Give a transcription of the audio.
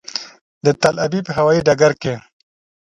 د تل ابیب هوایي ډګر کې.